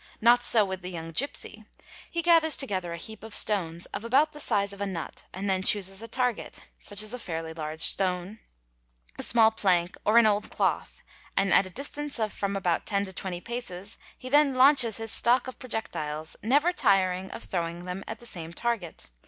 Not so witk 3 the young gipsy; he gathers together a heap of stones of about the size { of a nut and then chooses a target, such as a fairly large stone, a small ¢ INSTRUMENTS USED FOR THEFT, ETC. 371 _ plank, or an old cloth, at a distance of from about ten to twenty paces; he then launches his stock of projectiles, never tiring of throwing them at the same target.